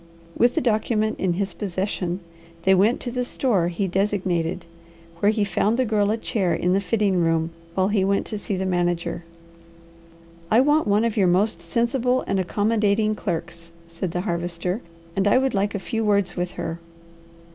With the document in his possession, they went to the store he designated, where he found the Girl a chair in the fitting room, while he went to see the manager. "I want one of your most sensible and accommodating clerks," said the Harvester, "and I would like a few words with her."